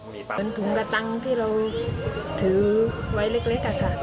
เงินถุงกระตังที่เราถือไว้เล็กค่ะค่ะ